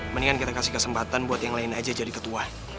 mendingan kita kasih kesempatan buat yang lain aja jadi ketua